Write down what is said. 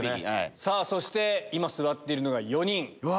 そして今座っているのが４人。